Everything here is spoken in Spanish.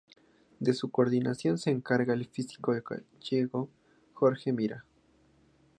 De su coordinación se encarga el físico gallego Jorge Mira.